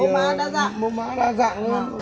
vì mô má đa dạng